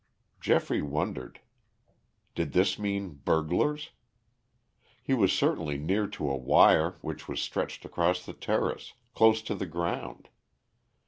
Geoffrey wondered. Did this mean burglars! He was certainly near to a wire which was stretched across the terrace, close to the ground.